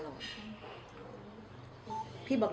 แล้วบอกว่าไม่รู้นะ